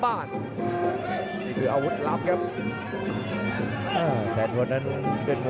ที่นู่นคืออาวุธหลับครับ